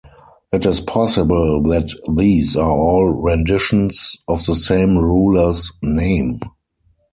It is possible that these are all renditions of the same ruler's name.